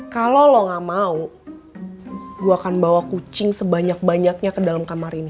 kalau lo gak mau gue akan bawa kucing sebanyak banyaknya ke dalam kamar ini